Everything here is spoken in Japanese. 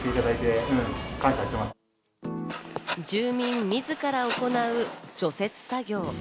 住民みずから行う除雪作業。